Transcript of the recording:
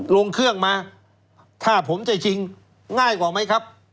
ลงเครื่องมาถ้าผมจะชิงง่ายกว่าไหมครับ